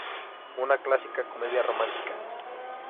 Una clásica comedia-romántica".